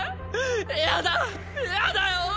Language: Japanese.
嫌だ嫌だよ！